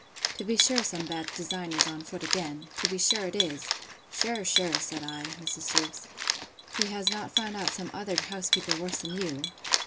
—To be sure some bad design is on foot again! To be sure it is!—Sure, sure, said I, Mrs. Jewkes, he has not found out some other housekeeper worse than you!